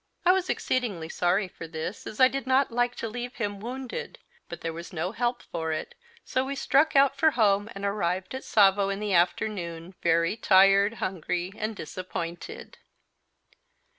I was exceedingly sorry for this, as I did not like to leave him wounded; but there was no help for it, so we struck out for home and arrived at Tsavo in the afternoon very tired, hungry and disappointed.